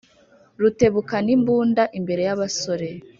Rutebukanimbunda imbere y’abasore